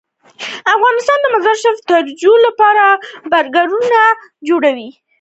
افغانستان د مزارشریف د ترویج لپاره پروګرامونه لري.